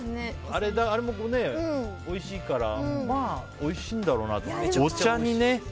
あれもおいしいからまあ、おいしいんだろうなとは。